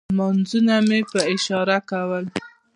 لمونځونه مې په اشارې کول.